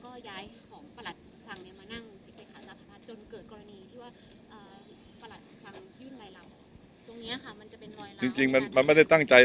ตรงเนี้ยค่ะมันจะเป็นจริงมันมันไม่ได้ตั้งใจ